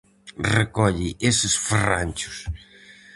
Recolle eses ferranchos.